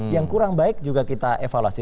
yang kurang baik juga kita evaluasi